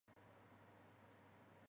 生灵是活着的人的灵魂出窍。